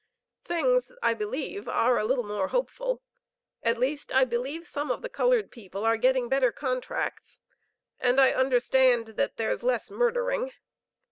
Things, I believe, are a little more hopeful; at least, I believe, some of the colored people are getting better contracts, and, I understand, that there's less murdering.